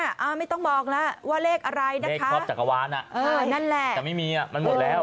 ไม่ต้องบอกแล้วว่าเลขอะไรนะคะเลขท็อปจักรวาลอ่ะเออนั่นแหละแต่ไม่มีอ่ะมันหมดแล้ว